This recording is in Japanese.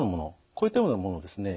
こういったようなものをですね